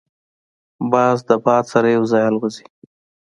باز د باد سره یو ځای الوزي